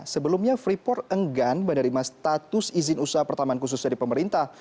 sebelumnya freeport enggan menerima status izin usaha pertamaan khusus dari pemerintah